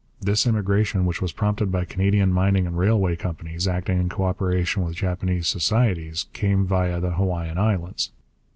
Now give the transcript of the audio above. This immigration, which was prompted by Canadian mining and railway companies acting in co operation with Japanese societies, came via the Hawaiian Islands.